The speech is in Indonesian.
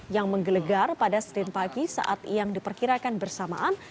yang menggelegar pada setiap pagi saat iang diperkirakan bersamaan